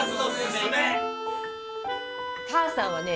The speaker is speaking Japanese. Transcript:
母さんはね